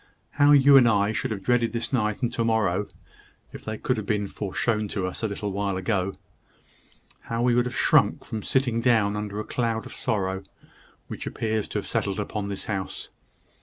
How you and I should have dreaded this night and to morrow, if they could have been foreshown to us a while ago! How we should have shrunk from sitting down under the cloud of sorrow which appears to have settled upon this house!